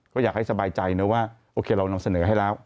ก็อยากให้สบายใจนะว่าโอเคเรานำเสนอให้แล้ว